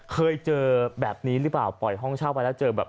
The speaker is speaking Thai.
เคยเจอแบบนี้หรือเปล่าปล่อยห้องเช่าไปแล้วเจอแบบ